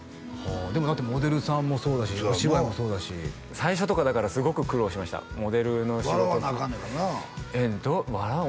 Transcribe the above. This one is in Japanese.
でもモデルさんもそうだしお芝居もそうだし最初とかだからすごく苦労しましたモデルの仕事笑わなアカンのやからな「笑う？